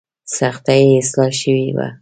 سختي یې اصلاح شوې وه.